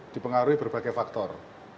dipengaruhi berbagai faktor